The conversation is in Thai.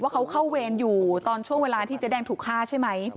เขาเข้าเวรอยู่ตอนช่วงเวลาที่เจ๊แดงถูกฆ่าใช่ไหม